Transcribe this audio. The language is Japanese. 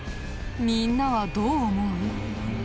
みんなはどう思う？